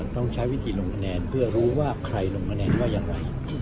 ต้องใช้วิธีลงคะแนนเพื่อรู้ว่าใครลงคะแนนว่าอย่างไร